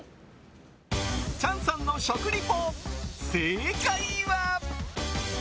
チャンさんの食リポ正解は。